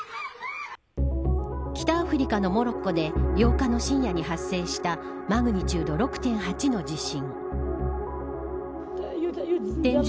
北アフリカのモロッコで８日の深夜に発生したマグニチュード６．８の地震。